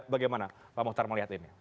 bagaimana pak mohtar melihat ini